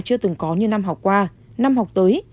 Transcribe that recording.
chưa từng có như năm học qua năm học tới